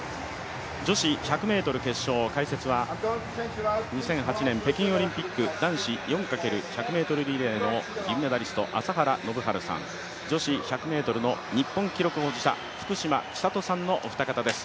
女子１００ｍ決勝、解説は２００８年北京オリンピック、男子４×１００ｍリレーの銀メダリスト朝原宣治さん、女子１００ｍの日本記録保持者、福島千里さんのお二方です。